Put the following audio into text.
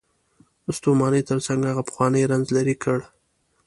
د ستومانۍ تر څنګ هغه پخوانی رنځ لرې کړ.